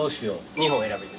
２本選ぶんですね。